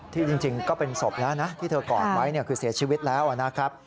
จริงก็เป็นศพแล้วนะที่เธอกอดไว้คือเสียชีวิตแล้วนะครับ